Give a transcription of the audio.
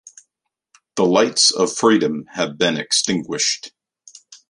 The lights of freedom have been extinguished.